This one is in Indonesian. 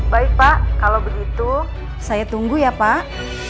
baik pak kalau begitu saya tunggu ya pak